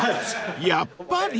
［やっぱり？］